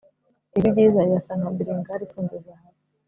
Ijwi ryiza rirasa nka bilingale ifunze zahabu